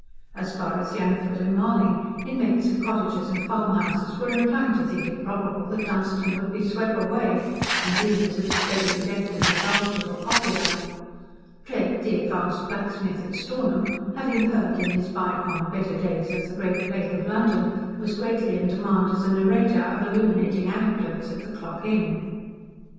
As far as Yangford and Marling inmates of cottages and farmhouses were inclined to think it probable that Dunstan would be "swep away," and rumours of spreading death and disaster were popular. Tread, the advanced blacksmith at Stornham, having heard in his by gone, better days of the Great Plague of London, was greatly in demand as a narrator of illuminating anecdotes at The Clock Inn.